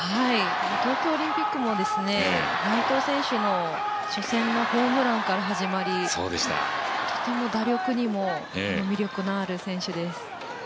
東京オリンピックも内藤選手の初戦のホームランから始まりとても打力にも魅力のある選手です。